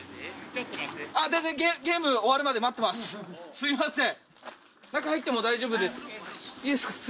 すみません